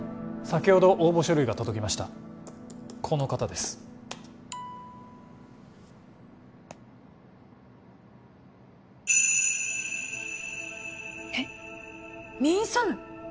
先ほど応募書類が届きましたこの方ですえっミン・ソヌ？